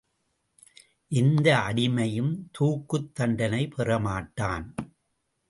எந்த அடிமையும் தூக்குத் தண்டனை பெறமாட்டான்.